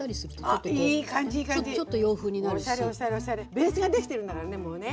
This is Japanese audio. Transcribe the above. ベースが出来てるんだからねもうね。